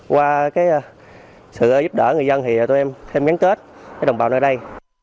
qua sự giúp đỡ người dân thì tụi em thêm miến kết với đồng bào nơi đây